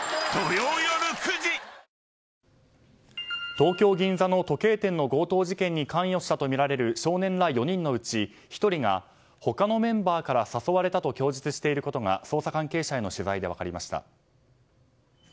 東京・銀座の時計店の強盗事件に関与したとみられる少年ら４人のうち１人が他のメンバーから誘われたと供述していることが捜査関係者への取材で分かりました。